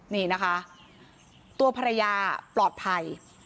นี่นะคะตัวภรรยาปลอดภัย